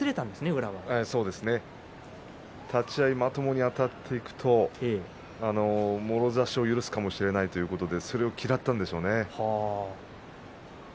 宇良はそうですね、立ち合いまともにあたっていくともろ差しを許すかもしれないということでそれを嫌ったんでしょうね。